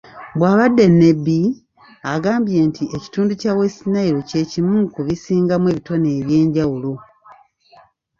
Bw'abadde e Nebbi, agambye nti ekitundu kya West Nile ky'ekimu ku bisingamu ebitone eby'enjawulo.